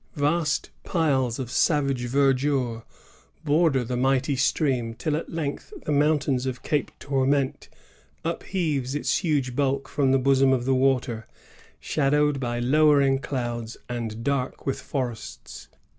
Vast piles of savage verdure border the mighty stream, till at length the mountain of Cape Tourmente upheaves its huge bulk from the bosom of the water, shadowed by lowering clouds, and dark with forests.